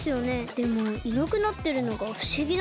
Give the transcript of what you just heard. でもいなくなってるのがふしぎなんです。